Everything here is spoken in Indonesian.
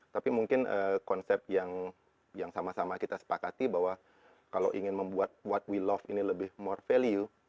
tapi mungkin konsep yang sama sama kita sepakati bahwa kalau ingin membuat what we love ini lebih more value